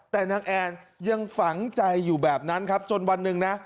แต่นางแอนยังฝังใจอยู่แบบนั้นครับจนวันหนึ่งนะ